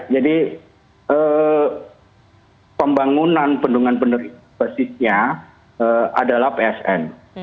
jadi pembangunan bendungan beneran basisnya adalah psn